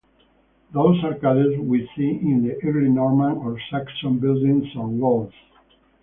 Those arcades we see in the early Norman or Saxon buildings or walls.